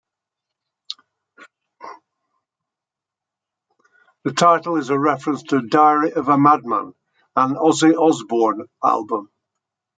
The title is a reference to "Diary of a Madman", an Ozzy Osbourne album.